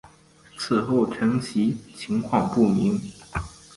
此后承袭情况不明。